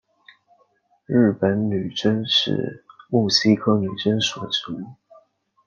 日本女贞是木犀科女贞属的植物。